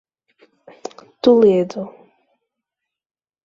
Toledo